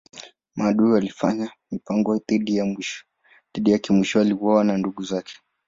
Maadui walifanya mipango dhidi yake mwishowe aliuawa na ndugu zake.